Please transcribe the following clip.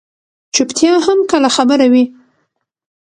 چُپتیا هم کله خبره وي.